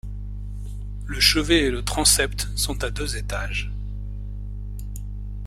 Le chevet et le transept sont à deux étages.